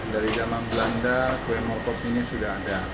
dari zaman belanda kue motogp ini sudah ada